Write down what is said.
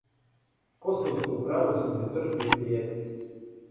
Косовско правосуđе трпи пријетње